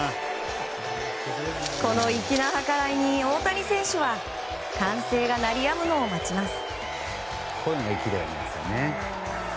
この粋な計らいに、大谷選手は歓声が鳴りやむのを待ちます。